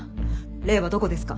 礼はどこですか？